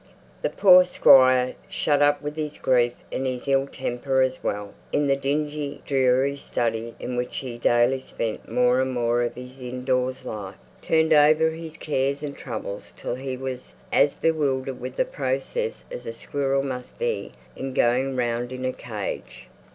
The poor Squire, shut up with his grief, and his ill temper as well, in the dingy, dreary study where he daily spent more and more of his indoors life, turned over his cares and troubles till he was as bewildered with the process as a squirrel must be in going round in a cage.